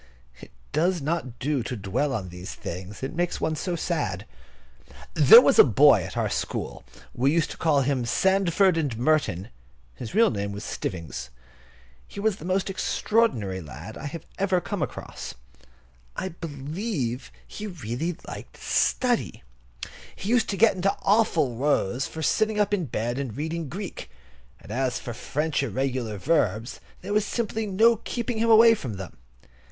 It does not do to dwell on these things; it makes one so sad. There was a boy at our school, we used to call him Sandford and Merton. His real name was Stivvings. He was the most extraordinary lad I ever came across. I believe he really liked study. He used to get into awful rows for sitting up in bed and reading Greek; and as for French irregular verbs there was simply no keeping him away from them.